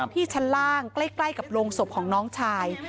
ที่ชั้นล่างใกล้กับโรงศพของน้องชาย